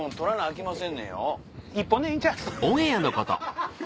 １本でいいんちゃう？